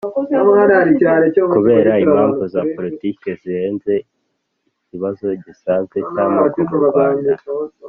kubera impamvu za politiki zirenze ikibazo gisanzwe cy'amoko mu rwanda